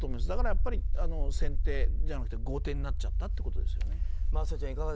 だから先手じゃなくて後手になっちゃったということですよね。